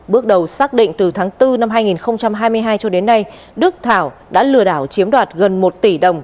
bước đầu xác định từ tháng bốn năm hai nghìn hai mươi hai cho đến nay đức thảo đã lừa đảo chiếm đoạt gần một tỷ đồng